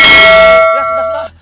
ya sudah sudah